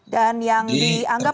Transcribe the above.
dan yang dianggap oleh